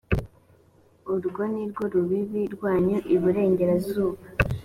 urwo ni rwo rubibi rwanyu iburengerazuba.